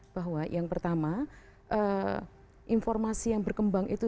bahwa yang pertama informasi yang berkembang itu